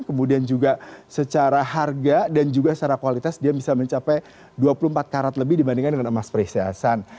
kemudian juga secara harga dan juga secara kualitas dia bisa mencapai dua puluh empat karat lebih dibandingkan dengan emas peristiasan